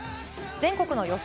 全国の予想